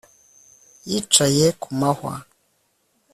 Yicaye ku mahwa